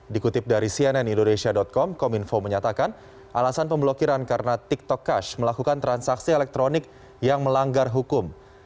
dikutip dari cnn indonesia com kominfo menyatakan alasan pemblokiran karena tiktok cash melakukan transaksi elektronik yang melanggar hukum